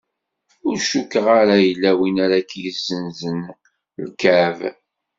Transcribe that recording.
Ur cukkeɣ ara yella win ara k-yezzenzen ikɛeb.